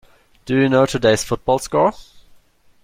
Do you know today's football score?